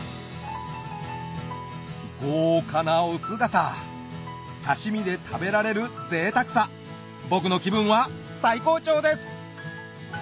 豪華なお姿刺身で食べられるぜいたくさ僕の気分は最高潮です！